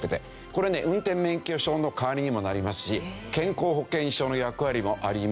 これね運転免許証の代わりにもなりますし健康保険証の役割もありますし。